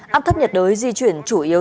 áp thấp nhiệt đới di chuyển chủ yếu